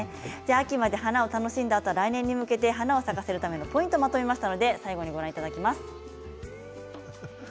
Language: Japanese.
秋まで花を楽しんだあとは来年また花を咲かせるためのポイントをまとめました。